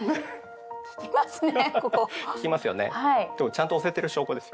ちゃんと押せてる証拠です。